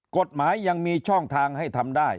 กฎหมายยังมีช่องทางให้ทำได้